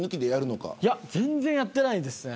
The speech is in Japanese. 全然やってないですね。